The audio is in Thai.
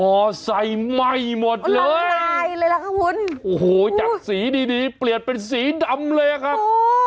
อไซค์ไหม้หมดเลยลายเลยล่ะค่ะคุณโอ้โหจากสีดีดีเปลี่ยนเป็นสีดำเลยอะครับ